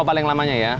oh paling lamanya ya